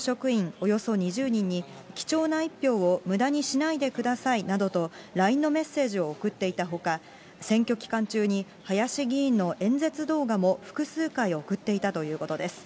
およそ２０人に、貴重な一票をむだにしないでくださいなどとＬＩＮＥのメッセージを送っていたほか、選挙期間中に、林議員の演説動画も複数回送っていたということです。